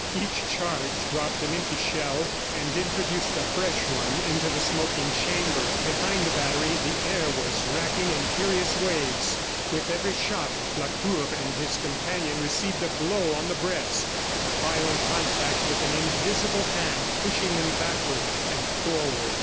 Each charge dropped an empty shell, and introduced a fresh one into the smoking chamber. Behind the battery, the air was racking in furious waves. With every shot, Lacour and his companion received a blow on the breast, the violent contact with an invisible hand, pushing them backward and forward.